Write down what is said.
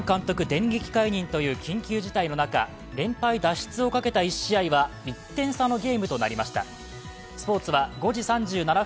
電撃解任という緊急事態の中、連敗脱出をかけた１試合は１点差のゲームとなりました。